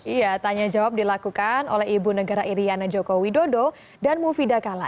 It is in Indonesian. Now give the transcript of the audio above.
iya tanya jawab dilakukan oleh ibu negara iryana joko widodo dan mufidah kala